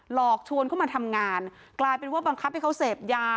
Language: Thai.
หลอกชวนเข้ามาทำงานกลายเป็นว่าบังคับให้เขาเสพยา